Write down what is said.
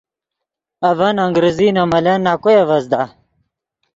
اڤن انگریزی نے ملن نَکوئے اڤزدا۔